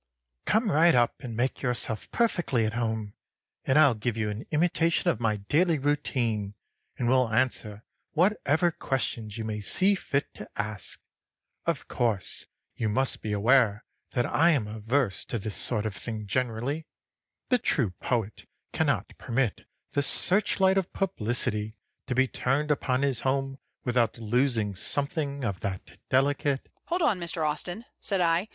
"Come right up and make yourself perfectly at home, and I'll give you an imitation of my daily routine, and will answer whatever questions you may see fit to ask. Of course you must be aware that I am averse to this sort of thing generally. The true poet cannot permit the searchlight of publicity to be turned upon his home without losing something of that delicate " "Hold on, Mr. Austin," said I.